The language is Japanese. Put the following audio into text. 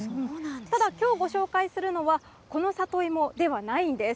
ただ、きょうご紹介するのは、この里芋ではないんです。